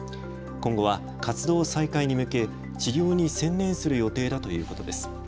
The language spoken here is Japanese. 今後は活動再開に向け治療に専念する予定だということです。